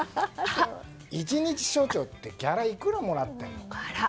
一日署長ってギャラいくらもらってるの？